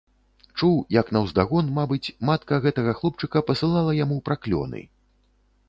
Чуў, як наўздагон, мабыць, матка гэтага хлопчыка пасылала яму праклёны.